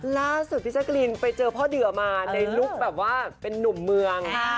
ล่าสุดพี่แจ๊กรีนไปเจอพ่อเดือมาในลุคแบบว่าเป็นนุ่มเมือง